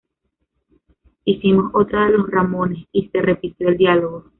Hicimos otra de los Ramones y se repitió el diálogo.